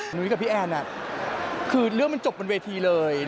หนูนี้กับพี่แอนน่ะคือเรื่องมันจบเป็นเวทีเลย